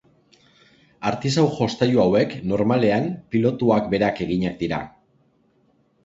Artisau-jostailu hauek normalean pilotuak berak eginak dira.